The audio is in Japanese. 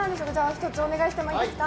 一つお願いしてもいいですか。